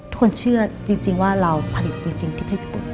ทุกคนเชื่อจริงว่าเราผลิตจริงที่ประเทศญี่ปุ่น